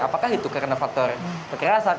apakah itu karena faktor kekerasan